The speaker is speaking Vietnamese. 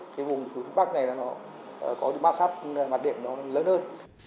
cái vùng phía bắc này nó có mát sát mặt điểm nó lớn hơn